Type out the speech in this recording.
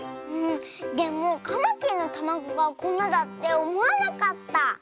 でもカマキリのたまごがこんなだっておもわなかった。